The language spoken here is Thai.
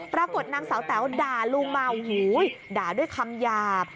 ปรากฏนางสาวแต๋วด่าลุงมาโอ้โหด่าด้วยคำหยาบ